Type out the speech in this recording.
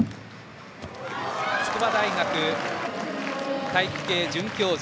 筑波大学体育系准教授